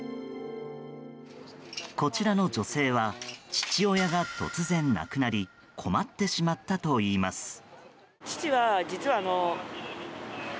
こちらの女性は父親が突然亡くなり困ってしまったといいます。